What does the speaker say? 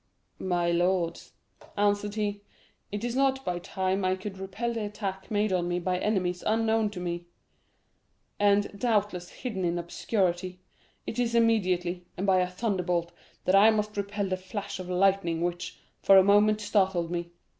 "My lords," answered he, "it is not by time I could repel the attack made on me by enemies unknown to me, and, doubtless, hidden in obscurity; it is immediately, and by a thunderbolt, that I must repel the flash of lightning which, for a moment, startled me.